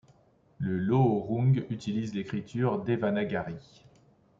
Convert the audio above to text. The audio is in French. Le lohorung utilise l'écriture devanagari.